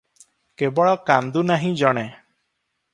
କେବଳ କାନ୍ଦୁ ନାହିଁ ଜଣେ ।